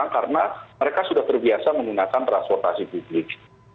karena mereka sudah terbiasa menggunakan transportasi publik